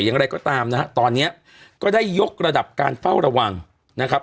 อย่างไรก็ตามนะฮะตอนนี้ก็ได้ยกระดับการเฝ้าระวังนะครับ